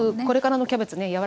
これからのキャベツね